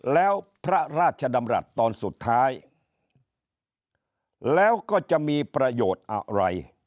แล้วพระราชดำรัฐตอนสุดท้ายแล้วก็จะมีประโยชน์อะไร